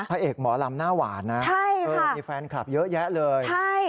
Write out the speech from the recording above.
พระเอกหมอลำหน้าหวานนะมีแฟนคลับเยอะแยะเลยใช่